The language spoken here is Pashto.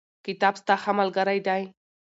کتاب ستا ښه ملګری دی.